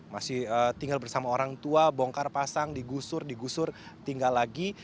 masih tinggal bersama orang tua bongkar pasang digusur digusur tinggal lagi